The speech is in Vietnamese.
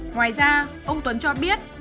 ngoài ra ông tuấn cho biết